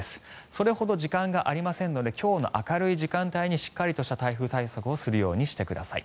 それほど時間がありませんので今日の明るい時間帯にしっかりとした台風対策をするようにしてください。